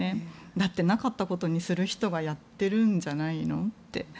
だって、なかったことにする人がやっているんじゃないのって。